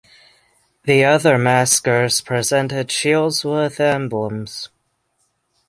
The other masquers presented shields with emblems.